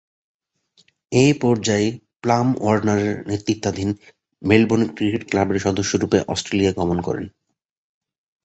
এ পর্যায়ে প্লাম ওয়ার্নারের নেতৃত্বাধীন মেরিলেবোন ক্রিকেট ক্লাবের সদস্যরূপে অস্ট্রেলিয়া গমন করেন।